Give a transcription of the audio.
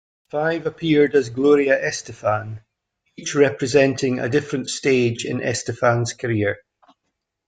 Five appeared as Gloria Estefan, each representing a different stage in Estefan's career.